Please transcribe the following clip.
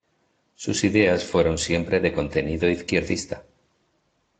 Sus ideas fueron siempre de contenido izquierdista.